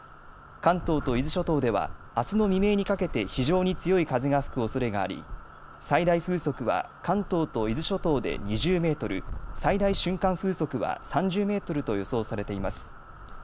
関東と伊豆諸島ではあすの未明にかけて非常に強い風が吹くおそれがあり、最大風速は関東と伊豆諸島で２０メートル、最大瞬間風速は３０メートルと予想されています。